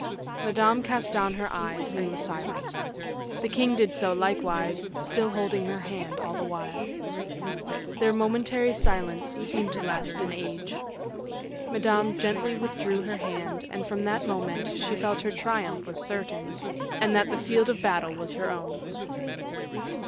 Madame cast down her eyes, and was silent; the king did so likewise, still holding her hand all the while. Their momentary silence seemed to last an age. Madame gently withdrew her hand, and from that moment, she felt her triumph was certain, and that the field of battle was her own.